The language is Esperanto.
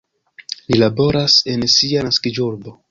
Li laboras en sia naskiĝurbo.